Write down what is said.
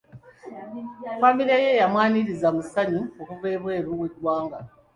Famire ye yamwaniriza mu ssanyu okuva ebweru w'eggwanga.